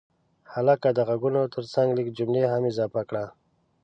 هلکه د غږونو ترڅنګ لږ جملې هم اضافه کړه.